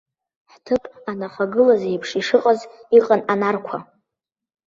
Ҳҭыԥ анахагылаз еиԥш ишыҟац иҟан анарқәа.